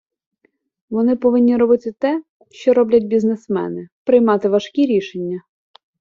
Вони повинні робити те, що роблять бізнесмени - приймати важкі рішення.